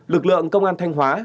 lực lượng công an thanh hóa